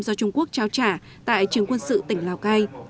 do trung quốc trao trả tại trường quân sự tỉnh lào cai